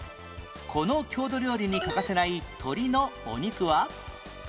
この郷土料理に欠かせない鳥のお肉は？